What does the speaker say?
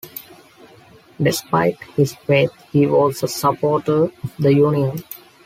Despite his faith he was a supporter of the Union.